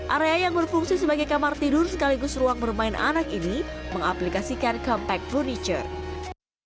area yang berfungsi sebagai kamar tidur sekaligus ruang bermain anak ini mengaplikasikan compact furniture